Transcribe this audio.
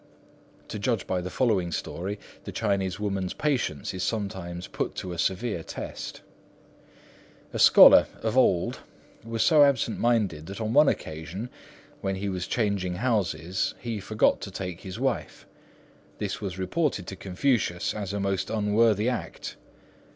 To judge by the following story, the Chinese woman's patience is sometimes put to a severe test. A scholar of old was so absent minded, that on one occasion, when he was changing houses, he forgot to take his wife. This was reported to Confucius as a most unworthy act.